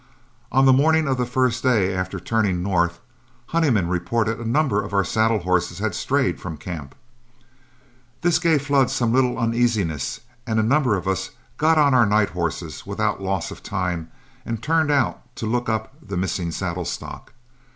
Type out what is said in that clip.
On the morning of the first day after turning north, Honeyman reported a number of our saddle horses had strayed from camp. This gave Flood some little uneasiness, and a number of us got on our night horses without loss of time and turned out to look up the missing saddle stock.